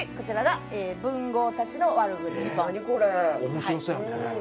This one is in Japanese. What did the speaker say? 面白そうやね。